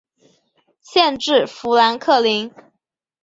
县治富兰克林。